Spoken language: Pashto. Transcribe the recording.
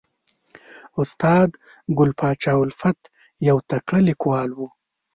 استاد ګل پاچا الفت یو تکړه لیکوال و